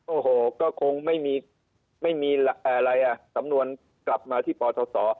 โอ้โหก็คงไม่มีอะไรอ่ะสำนวนกลับมาที่ปทศ